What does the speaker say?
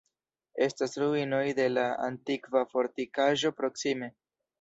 Estas ruinoj de la antikva fortikaĵo proksime.